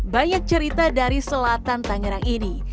banyak cerita dari selatan tangerang ini